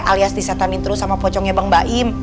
alias disetanin terus sama pocongnya bang baim